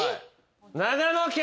長野県！